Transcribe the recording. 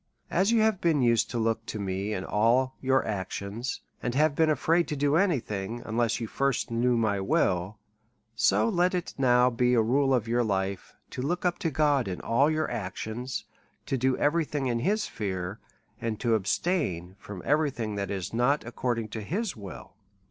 As you have been used to look to me in all your ac tions, and have been, afraid to do any thing, unless you DEVOUT AND HOLY LIFE ^41 first knew my will ; so let it now be a rule of your life, to look up to God in all your actions^ to do every thing in his fear, and to abstain from every thing that is not according to his will.